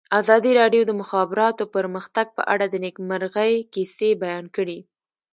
ازادي راډیو د د مخابراتو پرمختګ په اړه د نېکمرغۍ کیسې بیان کړې.